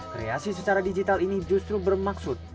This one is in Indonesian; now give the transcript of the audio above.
kreasi secara digital ini justru bermaksud